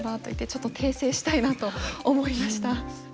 ちょっと訂正したいなと思いました。